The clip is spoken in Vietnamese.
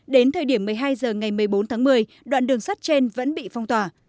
đến thời điểm một mươi hai h ngày một mươi bốn tháng một mươi đoạn đường sắt trên vẫn bị phong tỏa